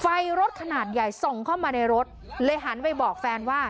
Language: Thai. ไฟรถขนาดใหญ่ส่องเข้ามาในรถเลยหันไปบอกแฟนว่า